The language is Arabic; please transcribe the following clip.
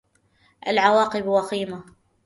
العواقب وخيمة.